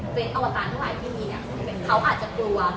เว้นอวตารทั้งหลายที่มีเขาอาจจะกลัว